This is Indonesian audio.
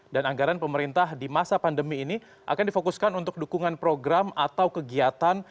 dan anggaran pemerintah di masa pandemi ini akan difokuskan untuk dukungan program atau kegiatan